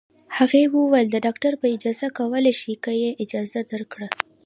هغې وویل: د ډاکټر په اجازه کولای شې، که یې اجازه درکړه.